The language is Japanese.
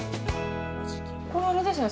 ◆これ、あれですよね